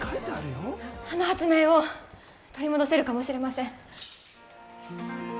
あの発明を取り戻せるかもしれません。